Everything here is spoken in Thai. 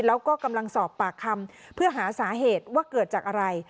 แล้วก็กำลังสอบปากคำเพื่อหาสาเหตุว่าเกิดจากอะไร